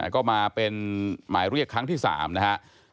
ก็มาเป็นหมายเรียกครั้งที่๓นะครับ